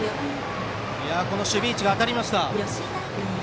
この守備位置が当たりました。